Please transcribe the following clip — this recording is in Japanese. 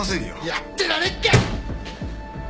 やってられっか！